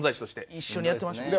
一緒にやってましたもんね。